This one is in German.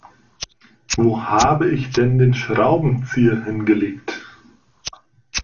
Wo habe ich denn den Schraubenzieher hingelegt?